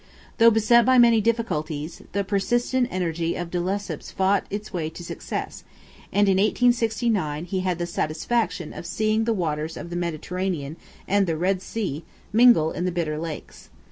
Though beset by many difficulties, the persistent energy of De Lesseps fought its way to success, and in 1869 he had the satisfaction of seeing the waters of the Mediterranean and the Red Sea mingle in the Bitter Lakes.